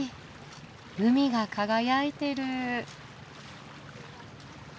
海が輝いてる。